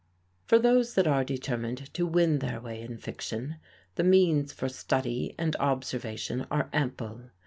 For those that are determined to win their way in fiction, the means for study and observation are ample.